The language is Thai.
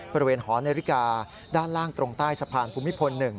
บริเวณหอนาฬิกาด้านล่างตรงใต้สะพานภูมิพล๑